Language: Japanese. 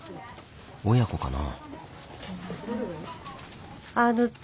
親子かな。